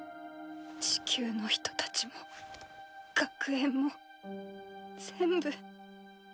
地球の人たちも学園も全部。